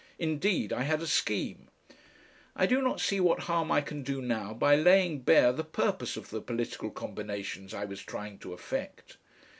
Indeed I had a scheme I do not see what harm I can do now by laying bare the purpose of the political combinations I was trying to effect.